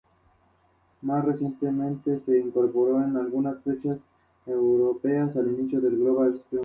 La ciudad se compone de tres distritos: Vieux-Longueuil, Saint-Hubert y Greenfield Park.